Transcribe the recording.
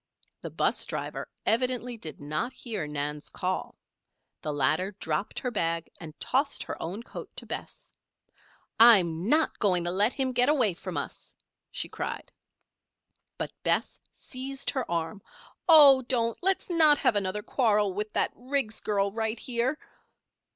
The 'bus driver evidently did not hear Nan's call. The latter dropped her bag and tossed her own coat to Bess. "I'm not going to let him get away from us," she cried. But Bess seized her arm. "Oh, don't! Let's not have another quarrel with that Riggs girl right here."